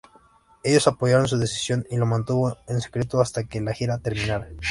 Ellos apoyaron su decisión y lo mantuvo en secreto hasta que la gira terminara.